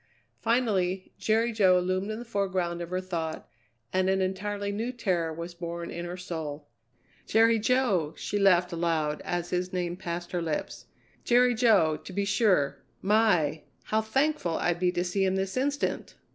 Finally Jerry Jo loomed in the foreground of her thought and an entirely new terror was born in her soul. "Jerry Jo!" she laughed aloud as his name passed her lips. "Jerry Jo, to be sure. My! how thankful I'd be to see him this instant!"